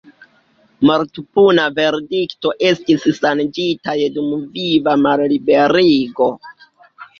Mortpuna verdikto estis ŝanĝita je dumviva malliberigo.